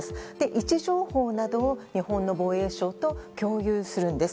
位置情報などを日本の防衛省と共有するんです。